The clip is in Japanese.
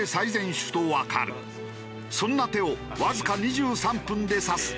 そんな手をわずか２３分で指す。